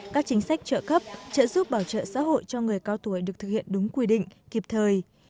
các chính sách trợ cấp trợ giúp bảo trợ xã hội cho người cao tuổi được thực hiện đúng quy định kịp thời